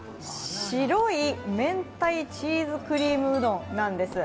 白い明太チーズクリームうどんなんです。